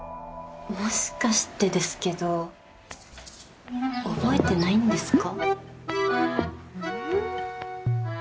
もしかしてですけど覚えてないんですか？